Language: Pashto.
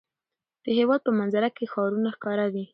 د هېواد په منظره کې ښارونه ښکاره دي.